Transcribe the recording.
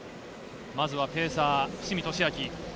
まずはペーサー、伏見俊昭。